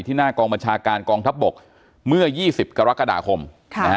หน้ากองบัญชาการกองทัพบกเมื่อยี่สิบกรกฎาคมค่ะนะฮะ